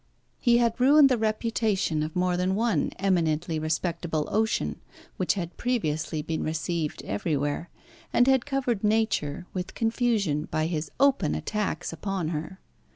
He had ruined the reputation of more than one eminently respectable ocean which had previously been received everywhere, and had covered Nature with confusion by his open attacks upon her.